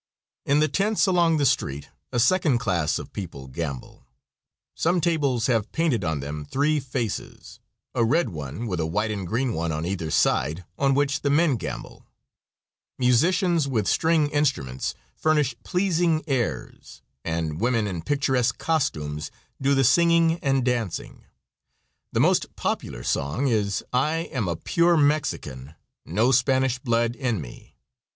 In the tents along the street a second class of people gamble. Some tables have painted on them three faces a red one, with a white and green one on either side on which the men gamble. Musicians with string instruments furnish pleasing airs, and women in picturesque costumes do the singing and dancing. The most popular song is "I am a pure Mexican, no Spanish blood in me."